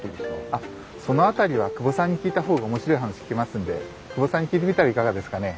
あっその辺りは久保さんに聞いた方が面白い話聞けますんで久保さんに聞いてみたらいかがですかね？